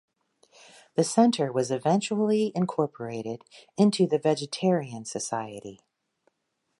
The Centre was eventually incorporated into the Vegetarian Society.